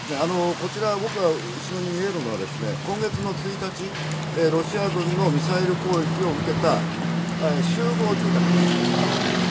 こちら、僕の後ろに見えるのは、今月の１日、ロシア軍のミサイル攻撃を受けた集合住宅です。